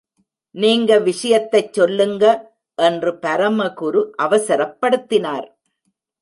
நீங்க விஷயத்தைச் சொல்லுங்க, என்று பரமகுரு அவசரப்படுத்தினார்.